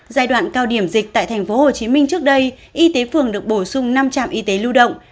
giai đoạn cao điểm dịch tại tp hcm trước đây y tế phường được bổ sung năm trạm y tế lưu động